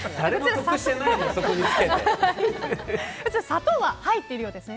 砂糖は入っているようです。